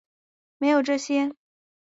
没有这些